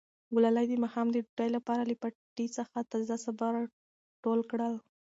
ګلالۍ د ماښام د ډوډۍ لپاره له پټي څخه تازه سابه ټول کړل.